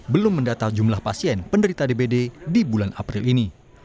belum mendata jumlah pasien penderita dbd di bulan april ini